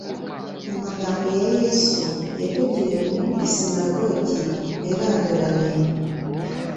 Amagambo ya Yesu, yavugiwe mu isinagogi yaranduranye